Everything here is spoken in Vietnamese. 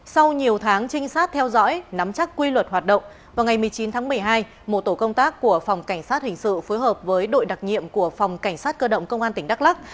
sau nhiều tháng trinh sát theo dõi nắm chắc quy luật hoạt động vào ngày một mươi chín tháng một mươi hai một tổ công tác của phòng cảnh sát hình sự phối hợp với đội đặc nhiệm của phòng cảnh sát cơ động công an tỉnh đắk lắc